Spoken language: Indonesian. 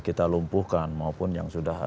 kita lumpuhkan maupun yang sudah